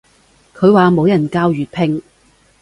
佢話冇人教粵拼